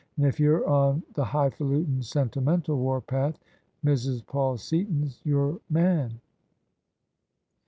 And if you're on the highfalutin', sentimental warpath, Mrs. Paul Seaton's your man."